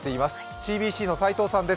ＣＢＣの斉藤さんです。